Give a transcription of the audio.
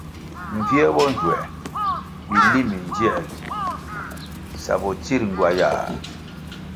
Mbvie bo nzuē bili mindziēli sa bo tsir ngywayah.